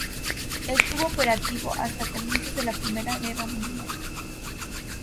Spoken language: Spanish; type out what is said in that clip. Estuvo operativo hasta comienzos de la Primera Guerra Mundial.